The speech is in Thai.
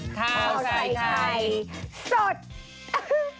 ข้าวใส่ไข่สดโอ้โฮ